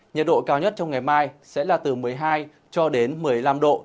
nhiệt độ cao nhất trong ngày mai sẽ là từ một mươi hai cho đến một mươi năm độ